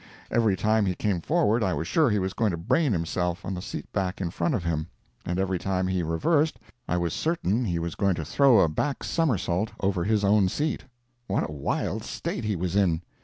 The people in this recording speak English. Every time he came forward I was sure he was going to brain himself on the seat back in front of him, and every time he reversed I was as certain he was going to throw a back somersault over his own seat. What a wild state he was in!